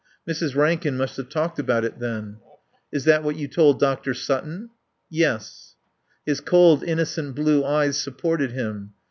(Mrs. Rankin must have talked about it, then.) "Is that what you told Dr. Sutton?" "Yes." His cold, innocent blue eyes supported him.